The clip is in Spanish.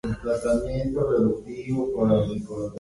Debido a su localización sería denominada "Orilla este".